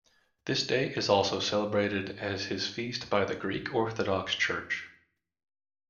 This day is also celebrated as his feast by the Greek Orthodox Church.